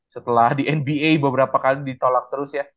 setelah di nba beberapa kali ditolak terus ya